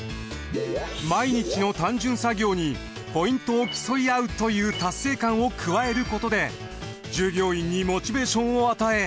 毎日の単純作業にポイントを競い合うという達成感を加えることで従業員にモチベーションを与え